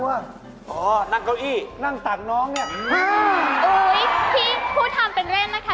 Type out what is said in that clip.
นั่งอ๋อนั่งเก้าอี้นั่งสั่งน้องเนี่ยอุ้ยพี่ผู้ทำเป็นเล่นนะคะ